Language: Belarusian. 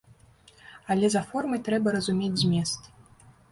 Але за формай трэба разумець змест.